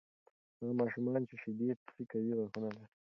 هغه ماشومان چې شیدې څښي، قوي غاښونه لري.